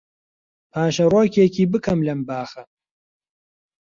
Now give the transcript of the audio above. پاشەرۆکێکی بکەم لەم باخە